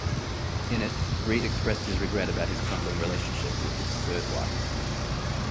In it, Reed expressed his regret about his crumbling relationship with his third wife.